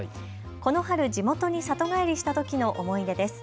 この春、地元に里帰りしたときの思い出です。